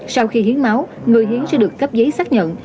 sau khi hiến máu người hiến sẽ được cấp giấy xác nhận